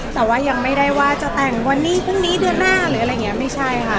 แต่ว่ายังไม่ได้ว่าจะแต่งวันนี้พรุ่งนี้เดือนหน้าหรืออะไรอย่างนี้ไม่ใช่ค่ะ